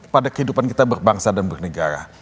pada kehidupan kita berbangsa dan bernegara